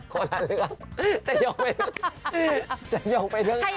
โคตรหาเลือดแต่ยกไปเท่านั้น